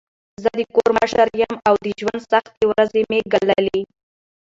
زه د کور مشر یم او د ژوند سختې ورځي مې ګاللي.